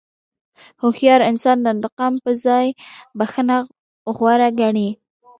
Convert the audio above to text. هوښیار انسان د انتقام پر ځای بښنه غوره ګڼي.